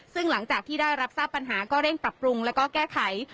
ซึ่งหลังจากที่ได้รับทราบปัญหาก็เร่งปรับปรุงแล้วก็แก้ไข